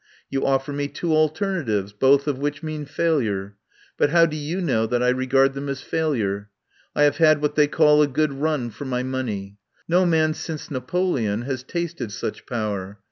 You offer me two alternatives, both of which mean failure. But how do you know that I regard them as failure? I have had what they call a good run for my money. No man since Na poleon has tasted such power.